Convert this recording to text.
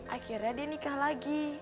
akhirnya dia nikah lagi